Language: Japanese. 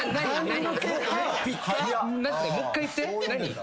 何？